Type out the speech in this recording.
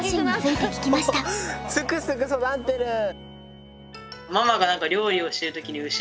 すくすく育ってる。